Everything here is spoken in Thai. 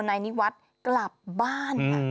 นายนิวัตกลับบ้าน